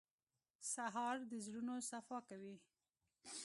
سهار د زړونو صفا کوي.